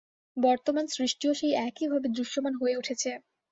বর্তমান সৃষ্টিও সেই একভাবেই দৃশ্যমান হয়ে উঠেছে।